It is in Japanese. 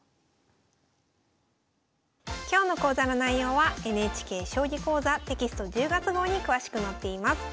今日の講座の内容はＮＨＫ「将棋講座」テキスト１０月号に詳しく載っています。